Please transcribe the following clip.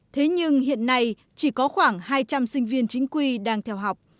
thế nhưng hiện nay chỉ có khoảng hai trăm linh sinh viên chính quy đang theo học